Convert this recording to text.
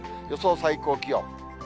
予想最高気温。